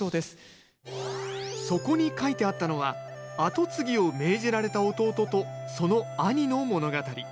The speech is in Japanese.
そこに書いてあったのは跡継ぎを命じられた弟とその兄の物語。